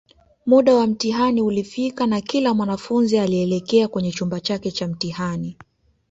Muda wa mtihani ulifika na kila mwanafunzi alielekea kwenye chumba chake Cha mtihani